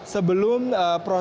sebelum menutupi bil